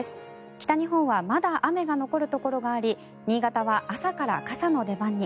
北日本はまだ雨が残るところがあり新潟は朝から傘の出番に。